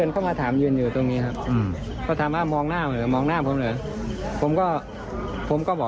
ก็ยิงเลยครับ